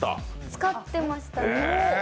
使ってました。